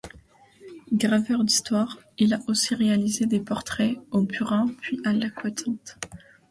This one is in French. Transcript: Graveur d'histoire, il a aussi réalisé des portraits, au burin, puis à l’aquatinte.